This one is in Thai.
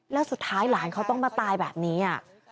แล้วสุดท้ายหลานเขาต้องมาตายแบบนี้